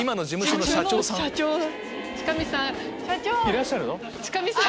いらっしゃるの？